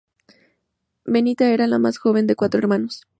Benita era la más joven de cuatro hermanos.